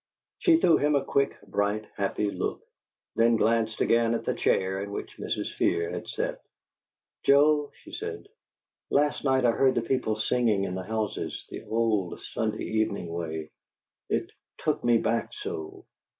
She threw him a quick, bright, happy look, then glanced again at the chair in which Mrs. Fear had sat. "Joe," she said, "last night I heard the people singing in the houses, the old Sunday evening way. It 'took me back so'!"